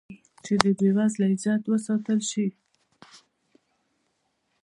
چې د بې وزله عزت وساتل شي.